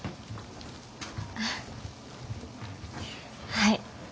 はい。